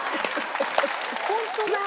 ホントだ！